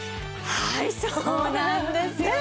はいそうなんですよね。